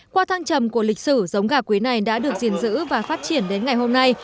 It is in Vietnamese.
qua thăng trầm của lịch sử giống gà quý này đã được gìn giữ và phát triển đến ngày hôm nay